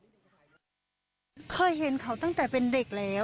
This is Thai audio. โชว์บ้านในพื้นที่เขารู้สึกยังไงกับเรื่องที่เกิดขึ้น